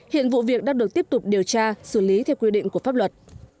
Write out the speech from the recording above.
hiện vụ việc đang được tiếp tục điều tra xử lý theo quy định của pháp luật